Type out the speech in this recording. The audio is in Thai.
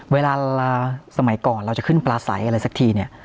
เวลาสมัยก่อนเราจะขึ้นปลาใสอะไรสักทีเนี่ย